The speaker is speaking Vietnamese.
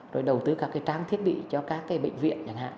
rồi đầu tư các cái trang thiết bị cho các cái bệnh viện chẳng hạn